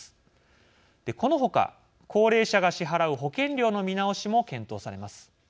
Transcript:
このほか高齢者が支払う保険料の見直しも検討されます。